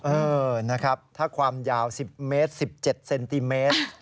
เออนะครับถ้าความยาว๑๐เมตร๑๗เซนติเมตร